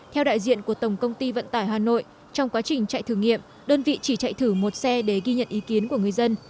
theo đại diện của tổng công ty vận tải hà nội trong quá trình chạy thử nghiệm đơn vị chỉ chạy thử một xe để ghi nhận ý kiến của người dân